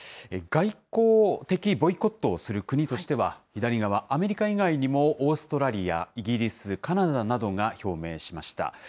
外交的ボイコットをする国としては、左側、アメリカ以外にもオーストラリア、イギリス、カナダなどが表明しました。